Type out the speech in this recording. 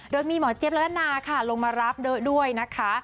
โดยมีหมอเจฟและอันนาค่ะลงมารับด้วยนะคะ